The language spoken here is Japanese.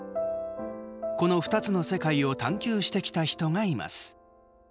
この２つの世界を探究してきた人がいます。